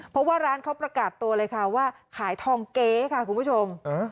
เพราะว่าร้านเขาประกาศตัวเลยค่ะว่าขายทองเก๊ค่ะคุณผู้ชม